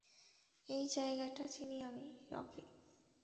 এই জায়গাটা চিনি আমি, রকি।